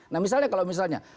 nah misalnya kalau misalnya